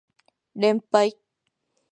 連敗